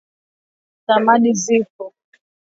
samadi zipo za aina mbalimbali